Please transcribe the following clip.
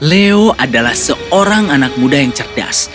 leo adalah seorang anak muda yang cerdas